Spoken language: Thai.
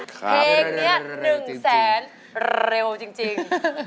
เพลงนี้หนึ่งแสนเร็วจริง